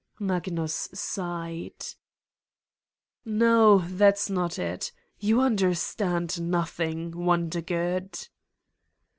Magnus sighed. "No, that's not it. You understand nothing, Wondergood."